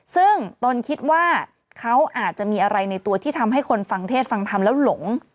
ซึ่งตนคิดว่าเขาอาจจะมีอะไรในตัวที่ทำให้คนฟังเทศฟังธรรมแล้วหลง